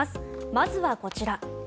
まずはこちら。